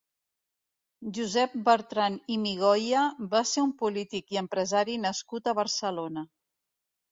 Josep Bertran i Migoia va ser un polític i empresari nascut a Barcelona.